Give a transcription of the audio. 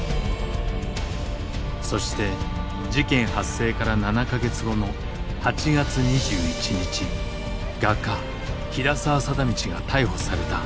そして事件発生から７か月後の８月２１日画家平沢貞通が逮捕された。